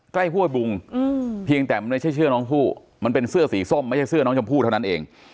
ห้วยบุงเพียงแต่มันไม่ใช่เสื้อน้องชมพู่มันเป็นเสื้อสีส้มไม่ใช่เสื้อน้องชมพู่เท่านั้นเอง